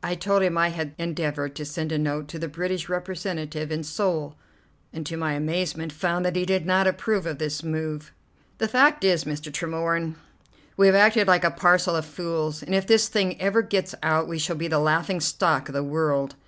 I told him I had endeavoured to send a note to the British representative in Seoul, and to my amazement found that he did not approve of this move. "The fact is, Mr. Tremorne, we have acted like a parcel of fools, and if this thing ever gets out we shall be the laughing stock of the world.